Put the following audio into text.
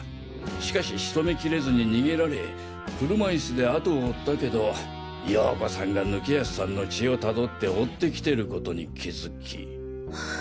しかし仕留め切れずに逃げられ車イスで後を追ったけどヨーコさんが貫康さんの血をたどって追って来てることに気づき。